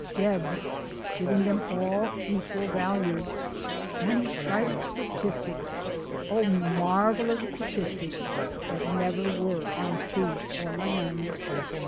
Debs, giving them all equal value, and he cited statistics! oh, marvellous statistics, that never were on sea or land.